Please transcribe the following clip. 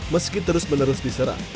meski terus menerus diserang